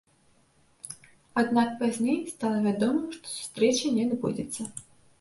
Аднак пазней стала вядома, што сустрэча не адбудзецца.